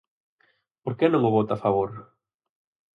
¿Por que non o vota a favor?